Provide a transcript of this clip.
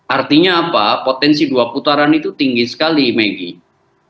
artinya apa potensi dua putaran itu tinggi sekali maggie